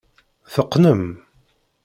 Teqqnem.